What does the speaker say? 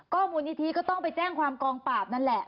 มูลนิธิก็ต้องไปแจ้งความกองปราบนั่นแหละ